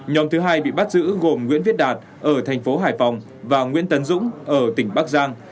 nhóm thứ hai bị bắt giữ gồm nguyễn viết đạt ở thành phố hải phòng và nguyễn tấn dũng ở tỉnh bắc giang